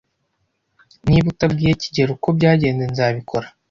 Niba utabwiye kigeli uko byagenze, nzabikora.